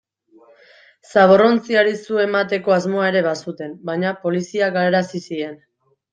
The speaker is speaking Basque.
Zaborrontziari su emateko asmoa ere bazuten, baina poliziak galarazi zien.